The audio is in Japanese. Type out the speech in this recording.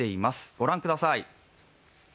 御覧ください。